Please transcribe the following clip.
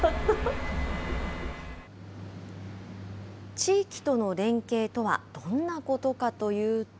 地域との連携とはどんなことかというと。